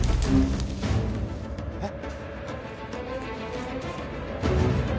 えっ？